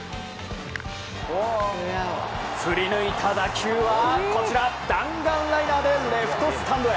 降りぬいた打球は弾丸ライナーでレフトスタンドへ。